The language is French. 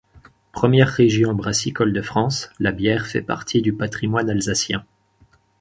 Première région brassicole de France, la bière fait partie du patrimoine alsacien.